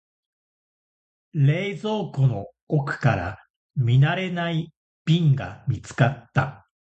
冷蔵庫の奥から見慣れない瓶が見つかった。